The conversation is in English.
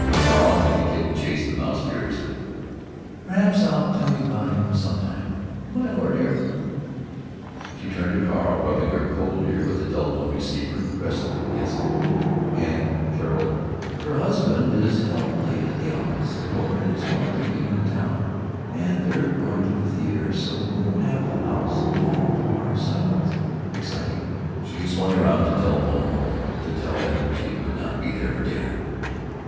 Carl made the kitten chase the mouse furiously. "Perhaps I'll tell you about him some time.... Good by, Laura dear." She turned to Carl, rubbing her cold ear where the telephone receiver had pressed against it, and caroled: "Her husband is held late at the office, and Laura is going to meet him in town, and they're going to the theater. So we'll have the house all to ourselves. Exciting!" She swung round to telephone home that she would not be there for dinner.